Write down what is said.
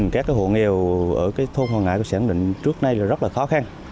các hộ nghèo ở thôn hòa ngãi tôi xác định trước nay là rất là khó khăn